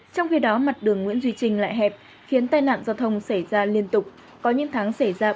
trong khi đó mặt đường nguyễn duy trình lại hẹp khiến tai nạn giao thông xảy ra bốn vụ tai nạn